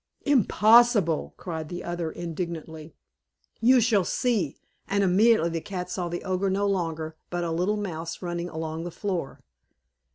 "Impossible!" cried the other, indignantly. "You shall see!" and immediately the cat saw the Ogre no longer, but a little mouse running along on the floor.